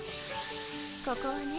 ここはね